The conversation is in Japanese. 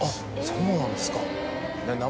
そうなんですか。